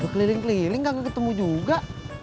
keliling keliling kami ketemu juga